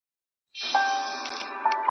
نظر غرونه چوي .